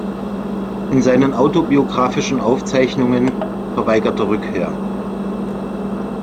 In seinen autobiographischen Aufzeichnungen "„Verweigerte Rückkehr.